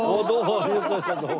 ありがとうございます。